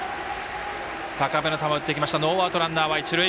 高めの球を打ってきましたノーアウト、ランナーは一塁。